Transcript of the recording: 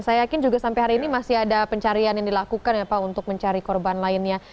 saya yakin juga sampai hari ini masih ada pencarian yang dilakukan ya pak untuk mencari korban lainnya